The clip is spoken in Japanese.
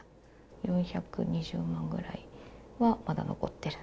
４２０万ぐらいは、まだ残ってる。